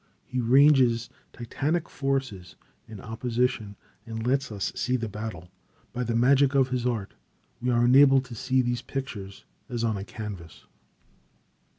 He ranges titanic forces in opposition and lets us see the battle. By the magic of his art we are enabled to see these pictures as on a canvas.